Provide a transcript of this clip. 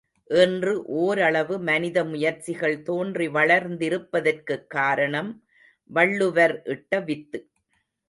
இன்று ஓரளவு மனித முயற்சிகள் தோன்றி வளர்ந்திருப்பதற்குக் காரணம் வள்ளுவர் இட்ட வித்து.